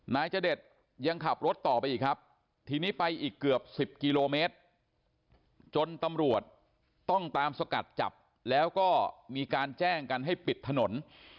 นายจเดชยังขับรถต่อไปอีกครับทีนี้ไปอีกเกือบ๑๐กิโลเมตรจนตำรวจต้องตามสกัดจับแล้วก็มีการแจ้งกันให้ปิดถนน